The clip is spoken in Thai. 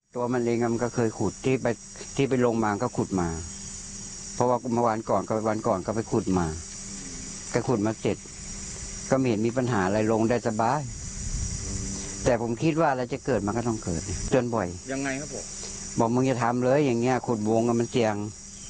มะเร็งมันก็เคยขุดที่ไปที่ไปลงมาก็ขุดมาเพราะว่าเมื่อวานก่อนวันก่อนก็ไปขุดมาไปขุดมาเสร็จก็ไม่เห็นมีปัญหาอะไรลงได้สบายแต่ผมคิดว่าอะไรจะเกิดมันก็ต้องเกิดจนบ่อยยังไงก็บอกบอกมึงอย่าทำเลยอย่างเงี้ขุดวงกันมันเจียง